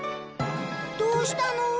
どうしたの？